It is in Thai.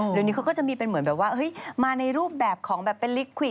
เดี๋ยวนี้เขาก็จะมีเป็นเหมือนแบบว่ามาในรูปแบบของแบบเป็นลิควิด